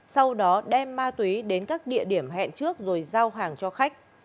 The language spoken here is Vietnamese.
sau đó đem ma túy đến các địa điểm hẹn trước rồi giao hàng cho khách